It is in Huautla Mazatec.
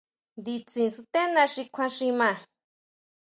Nditsin stená xi kjuan xi maa.